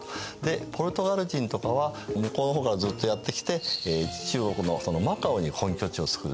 ポルトガル人とかは向こうの方からずっとやって来て中国のマカオに本拠地を作るんですね。